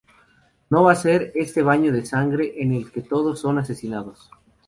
No va a ser este baño de sangre en el que todos son asesinados.